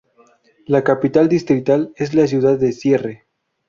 La capital distrital es la ciudad de Sierre.